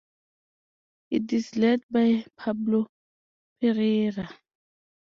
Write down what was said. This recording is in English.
It is led by Pablo Pereyra.